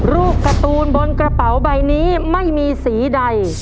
รูปการ์ตูนบนกระเป๋าใบนี้ไม่มีสีใด